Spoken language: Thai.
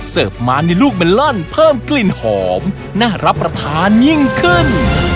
มาในลูกเมลอนเพิ่มกลิ่นหอมน่ารับประทานยิ่งขึ้น